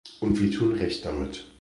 Und wir tun recht damit.